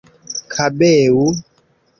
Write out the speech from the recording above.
kabeu